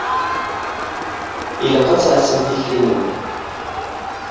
Ilaq ad tɛassem tikli-nwen.